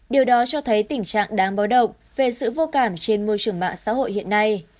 điều đó cho thấy tình trạng đáng báo động về sự vô cảm trên môi trường mạng xã hội hiện nay